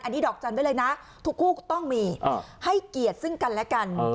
อันนี้ดอกจันทร์ไว้เลยนะทุกคู่ต้องมีให้เกียรติซึ่งกันและกัน